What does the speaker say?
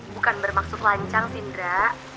bukan bermaksud lancar sih indra